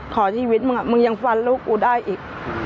ขอชีวิตมึงมึงยังฟันลูกกูได้อีก